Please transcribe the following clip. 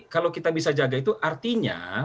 kalau kita bisa jaga itu artinya